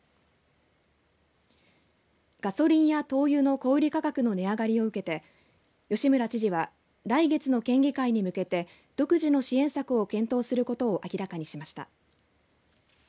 ガソリンや灯油の小売価格の値上がりを受けて吉村知事は来月の県議会に向けて独自の支援策を検討することを明らかにしました。